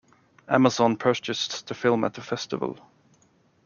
Amazon purchased the film at the festival.